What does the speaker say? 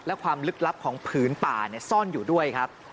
และความลึกลับของผืนป่าซ่อนอยู่ด้วยครับ